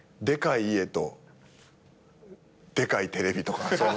でかい家とでかいテレビとか。